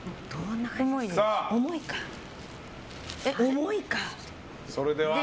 重いか。